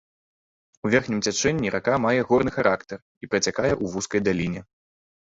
У верхнім цячэнні рака мае горны характар і працякае ў вузкай даліне.